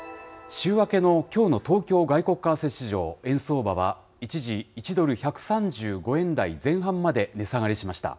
週明けのきょうの東京外国為替市場、円相場は一時、１ドル１３５円台前半まで値下がりしました。